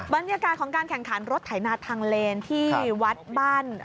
บรรยากาศของการแข่งขันรถไถนาทางเลน